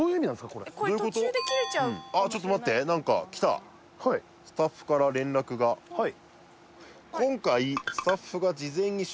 これこれ途中で切れちゃうかもちょっと待って何か来たスタッフから連絡がはい